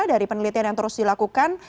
dari penelitian yang terus dilakukan